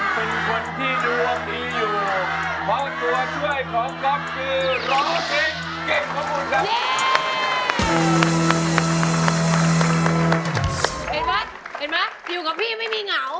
คุณก๊อฟครับ